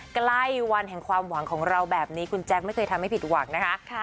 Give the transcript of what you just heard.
ใกล้วันแห่งความหวังของเราแบบนี้คุณแจ๊คไม่เคยทำให้ผิดหวังนะคะ